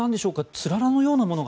つららのようなものが。